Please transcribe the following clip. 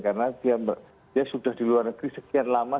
karena dia sudah di luar negeri sekian lama